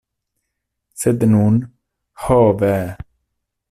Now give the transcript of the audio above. Sed nun, ho ve!